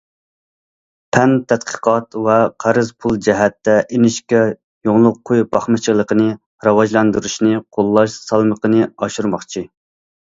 پەن تەتقىقات ۋە قەرز پۇل جەھەتتە ئىنچىكە يۇڭلۇق قوي باقمىچىلىقىنى راۋاجلاندۇرۇشنى قوللاش سالمىقىنى ئاشۇرماقچى.